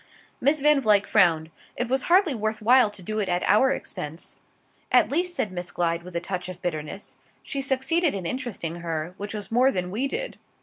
Miss Van Vluyck frowned. "It was hardly worth while to do it at our expense." "At least," said Miss Glyde with a touch of bitterness, "she succeeded in interesting her, which was more than we did."